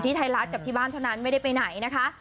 ไทยรัฐกับที่บ้านเท่านั้นไม่ได้ไปไหนนะคะ